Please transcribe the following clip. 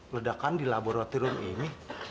ledakan di laboratorium ini